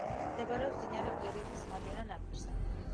მდებარეობს მდინარე ყვირილის მარჯვენა ნაპირზე.